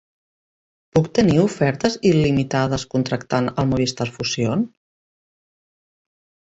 Puc tenir ofertes il·limitades contractant el Movistar Fusión?